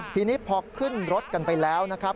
ทีนี้พอขึ้นรถกันไปแล้วนะครับ